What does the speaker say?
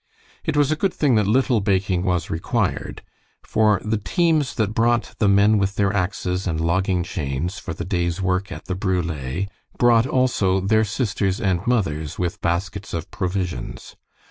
It was a good thing that little baking was required, for the teams that brought the men with their axes and logging chains for the day's work at the brule brought also their sisters and mothers with baskets of provisions.